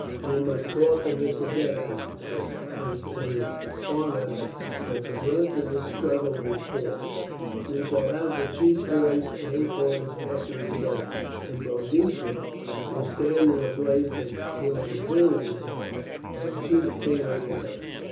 "We must talk of this again," Aska said, "as it is upon us that the brunt of this struggle will fall. We shall have the chief voice and influence after it is over, and Boadicea will stand in the place that Cunobeline held, of chief king of the island.